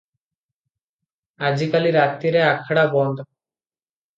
ଆଜିକାଲି ରାତିରେ ଆଖଡ଼ା ବନ୍ଦ ।